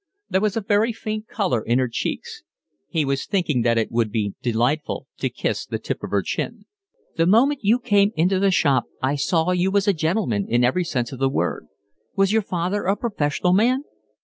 There was a very faint colour in her cheeks. He was thinking that it would be delightful to kiss the tip of her chin. "The moment you come into the shop I saw you was a gentleman in every sense of the word. Was your father a professional man?"